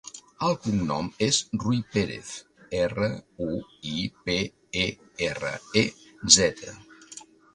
El cognom és Ruiperez: erra, u, i, pe, e, erra, e, zeta.